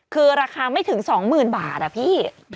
คือราคาไม่ถึง๒๐๐๐บาทอะพี่